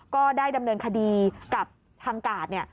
ก็ได้ดำเนินคดีกับทางกาดเนี่ย